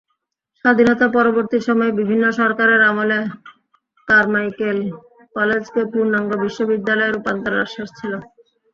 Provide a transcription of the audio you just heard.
স্বাধীনতা-পরবর্তী সময়ে বিভিন্ন সরকারের আমলে কারমাইকেল কলেজকে পূর্ণাঙ্গ বিশ্ববিদ্যালয়ে রূপান্তরের আশ্বাস ছিল।